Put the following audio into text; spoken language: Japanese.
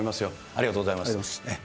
ありがとうございます。